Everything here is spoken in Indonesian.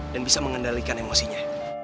dan bisa mengendalikan emosinya